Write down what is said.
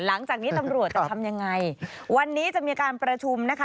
หลังจากนี้ตำรวจจะทำยังไงวันนี้จะมีการประชุมนะคะ